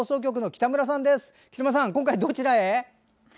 北村さん、今回はどちらへ？